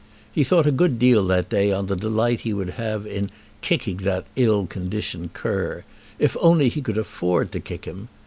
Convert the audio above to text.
He thought a good deal that day on the delight he would have in "kicking that ill conditioned cur," if only he could afford to kick him.